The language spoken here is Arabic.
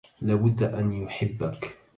لا بد ان يحبك